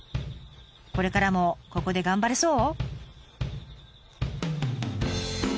これからもここで頑張れそう？